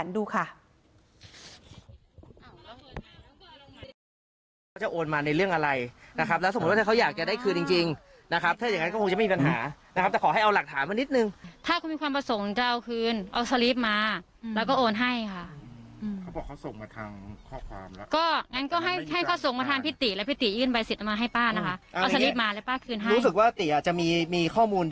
เดี๋ยวลองความเสียงพระแต่นดูค่ะ